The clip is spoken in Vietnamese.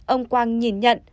ông quang nhìn nhận